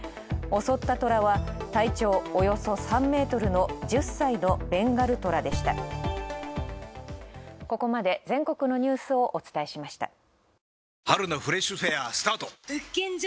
襲ったトラは、体長およそ３メートルの１０歳のベンガルトラでした。